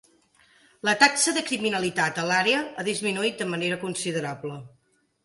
La taxa de criminalitat a l'àrea ha disminuït de manera considerable.